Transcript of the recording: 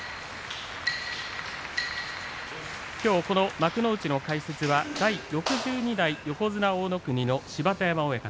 きょうこの幕内の解説は第６２代横綱大乃国の芝田山親方。